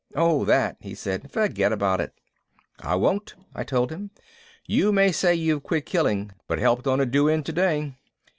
"Oh that," he said. "Forget about it." "I won't," I told him. "You may say you've quit killing, but helped on a do in today."